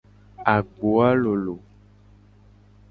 Agboa lolo.